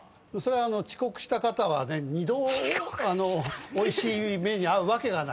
遅刻した方はね二度おいしい目にあうわけがない。